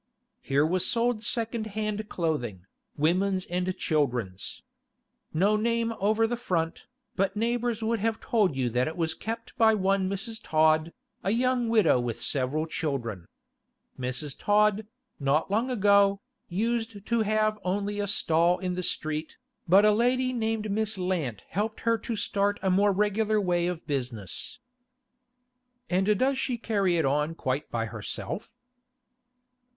Here was sold second hand clothing, women's and children's. No name over the front, but neighbours would have told you that it was kept by one Mrs. Todd, a young widow with several children. Mrs. Todd, not long ago, used to have only a stall in the street; but a lady named Miss Lant helped her to start in a more regular way of business. 'And does she carry it on quite by herself?